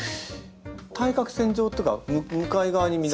対角線上というか向かい側にみんな。